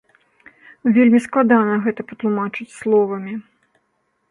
Вельмі складана гэта патлумачыць словамі.